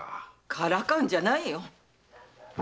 からかうんじゃないよ。